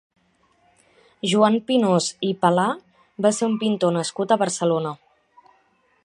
Joan Pinós i Palà va ser un pintor nascut a Barcelona.